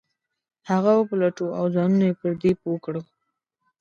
هغه وپلټو او ځانونه پر دې پوه کړو.